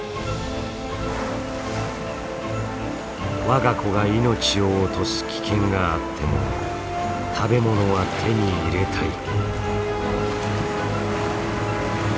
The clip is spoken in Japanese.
我が子が命を落とす危険があっても食べ物は手に入れたい。